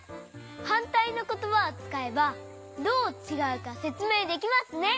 はんたいのことばをつかえばどうちがうかせつめいできますね。